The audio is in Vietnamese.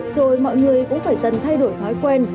rồi mọi người cũng phải dần thay đổi thói quen